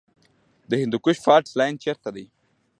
د هندوکش فالټ لاین چیرته دی؟